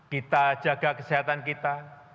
kita jaga kesehatan kita